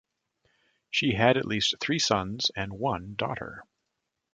She had at least three sons and one daughter.